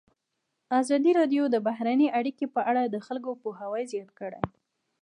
ازادي راډیو د بهرنۍ اړیکې په اړه د خلکو پوهاوی زیات کړی.